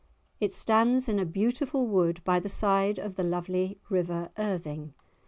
It stands in a beautiful wood by the side of the lovely river Irthing.